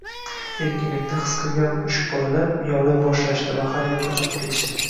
Erkinlikni his qilgan mushukbolalar miyovlay boshlashdi va har yoqqa chopib ketishdi